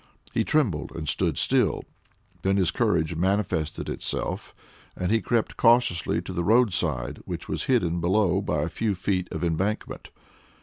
He trembled and stood still, then his courage manifested itself, and he crept cautiously to the roadside, which was hidden below by a few feet of embankment.